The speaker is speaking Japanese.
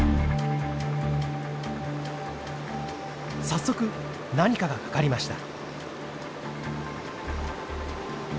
早速何かが掛かりました。